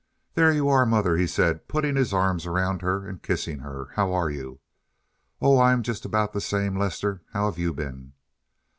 "There you are, Mother," he said, putting his arms around her and kissing her. "How are you?" "Oh, I'm just about the same, Lester. How have you been?"